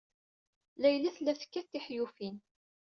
Layla tella tekkat tihyufin.